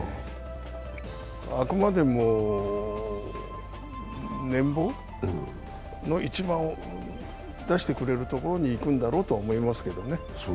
あくまでも年俸の一番出してくれるところに行くんだろうと思いますけどね。